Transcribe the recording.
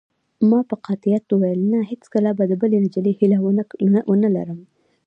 ما په قاطعیت وویل: نه، هیڅکله به د بلې نجلۍ هیله ونه لرم.